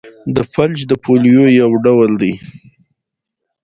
فلج د پولیو یو ډول دی.